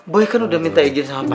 boy kan udah minta izin sama pak